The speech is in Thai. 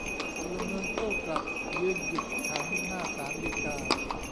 พลเมืองโต้กลับ ยืนหยุดขัง หน้าศาลฎีกา